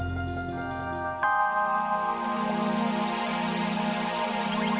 ada anak pro bagimu pati